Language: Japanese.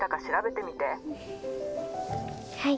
はい。